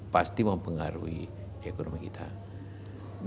pasti mempengaruhi ekonomi kita semua ya kan